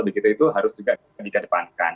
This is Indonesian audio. begitu itu harus juga dikedepankan